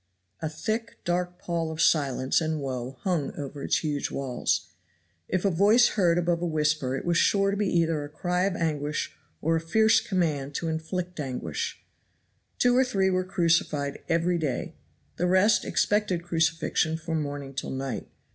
A thick, dark pall of silence and woe hung over its huge walls. If a voice was heard above a whisper it was sure to be either a cry of anguish or a fierce command to inflict anguish. Two or three were crucified every day; the rest expected crucifixion from morning till night.